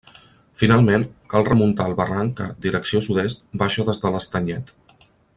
Finalment cal remuntar el barranc que, direcció sud-est, baixa des de l'estanyet.